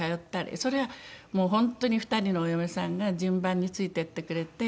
それはもう本当に２人のお嫁さんが順番についていってくれて。